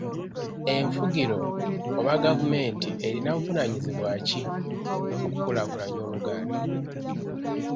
Enfugiro oba gavumenti erina buvunaanyizibwa ki mu kukulaakulanya Oluganda.